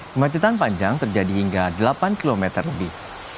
kemacetan panjang terjadi hingga delapan kilometer lebih